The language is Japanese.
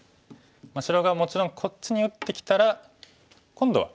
白がもちろんこっちに打ってきたら今度は。